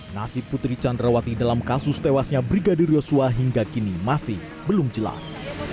nasib putri candrawati dalam kasus tewasnya brigadir yosua hingga kini masih belum jelas